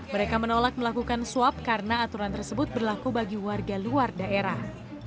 mereka menolak melakukan swab karena aturan tersebut berlaku bagi warga luar daerah